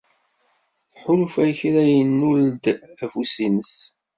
Tḥulfa i kra yennul-d afus-nnes.